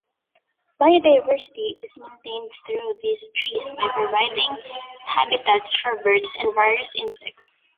Biodiversity is maintained through these trees by providing habitats for birds and various insects.